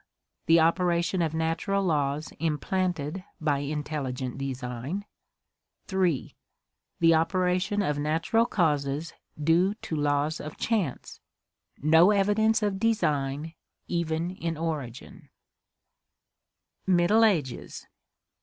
The operation of natural laws implanted by intelligent design, 3. The operation of natural causes due to laws of chance — no evidence of design, even in origin. 8 ORGANIC EVOLUTION Middle Ages.